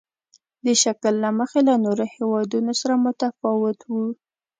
د شکل له مخې له نورو هېوادونو سره متفاوت وو.